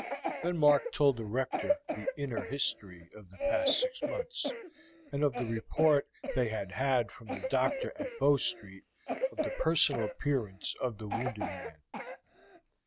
Then Mark told the Rector the inner history of the past six months, and of the report they had had from the officer at Bow Street of the personal appearance of the wounded man.